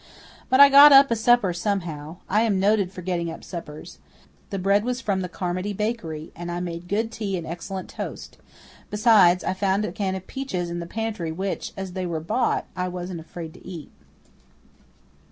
But I got up a supper somehow. I am noted for getting up suppers. The bread was from the Carmody bakery and I made good tea and excellent toast; besides, I found a can of peaches in the pantry which, as they were bought, I wasn't afraid to eat.